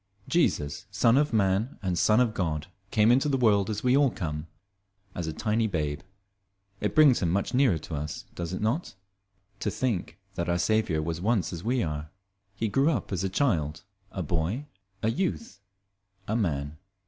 Jesus, son of man and son of God, came into the world as we all come, as a tiny babe. It brings him much nearer to us, does it not, to think that our Saviour was once as we are? He grew up as a child, a boy, a youth, a man.